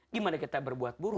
gimana kita berbuat buruk